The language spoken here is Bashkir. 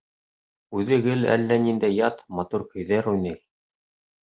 Үҙе гел әллә ниндәй ят, матур көйҙәр уйнай.